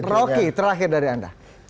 roky terakhir dari anda